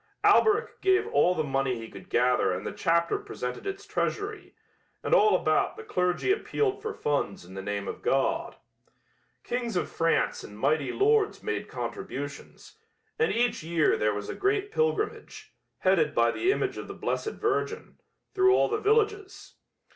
"Alberic gave all the money he could gather and the chapter presented its treasury, and all about the clergy appealed for funds in the name of God. Kings of France and mighty lords made contributions, and each year there was a great pilgrimage, headed by the image of the Blessed Virgin, through all the villages.